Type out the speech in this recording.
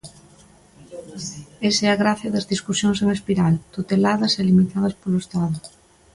Esa é a graza das discusións en espiral, tuteladas e limitadas polo Estado.